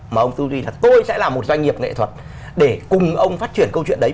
mà ông tư duy là tôi sẽ là một doanh nghiệp nghệ thuật để cùng ông phát triển câu chuyện đấy